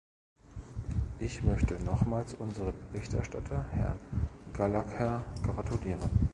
Ich möchte nochmals unserem Berichterstatter, Herrn Gallagher, gratulieren.